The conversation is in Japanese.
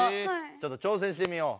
ちょっと挑戦してみよう。